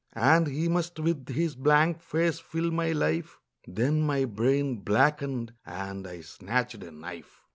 And he must with his blank face fill my life Then my brain blackened; and I snatched a knife.